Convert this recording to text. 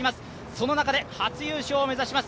その中で、初優勝を目指します